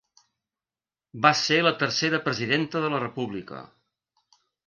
Va ser la tercera presidenta de la República.